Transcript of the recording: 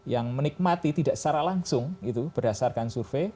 yang menikmati tidak secara langsung gitu berdasarkan survei